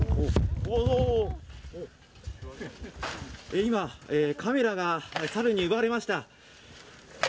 今、カメラがサルに奪われました。